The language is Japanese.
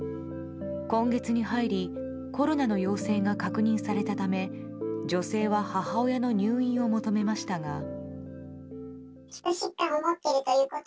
今月に入りコロナの陽性が確認されたため女性は母親の入院を求めましたが。